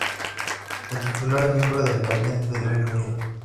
El titular es miembro del gabinete del Reino Unido.